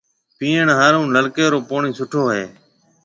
پئِيڻ هارون نلڪيَ رو پوڻِي سُٺو هيَ۔